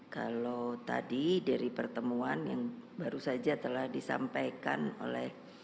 kalau tadi dari pertemuan yang baru saja telah disampaikan oleh